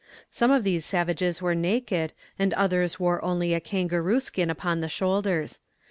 Some of these savages were naked, and others wore only a kangaroo skin upon the shoulders.